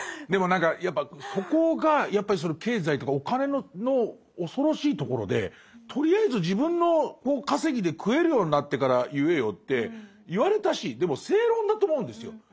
でも何かやっぱそこがやっぱ経済とかお金の恐ろしいところでとりあえず自分の稼ぎで食えるようになってから言えよって言われたしでも正論だと思うんですよ。